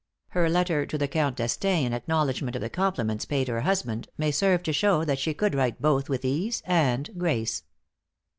Her letter to the Count D'Estaing in acknowledgment of the compliments paid her husband, may serve to show that she could write both with ease and grace.